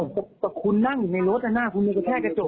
อ้าวแต่คุณนั่งอยู่ในรถนะหน้าคุณมันแค่กระจก